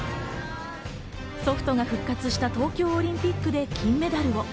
ソフトボールが復活した東京オリンピックで金メダルを。